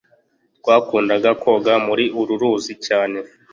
Twakundaga koga muri uru ruzi cyane.